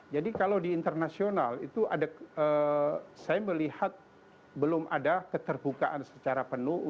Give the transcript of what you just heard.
jadi kalau di internasional itu ada saya melihat belum ada keterbukaan secara penuh